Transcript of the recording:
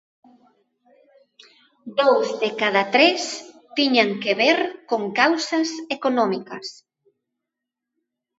Dous de cada tres tiñan que ver con causas económicas.